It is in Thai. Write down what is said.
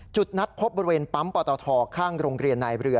จุดนัดพบบริเวณปั๊มปตทข้างโรงเรียนนายเรือ